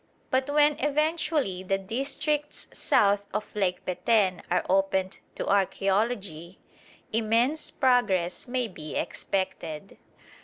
But when eventually the districts south of Lake Peten are opened to archæology, immense progress may be expected.